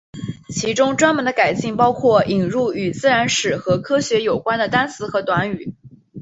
其中专门的改进包括引入与自然史和科学有关的单词和短语。